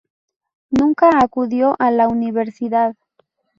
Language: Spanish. Nunca acudió a la universidad.